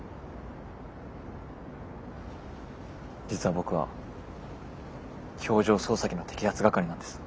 実は僕は表情操作機の摘発係なんです。